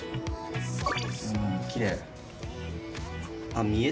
きれい。